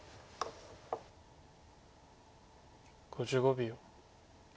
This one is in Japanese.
５５秒。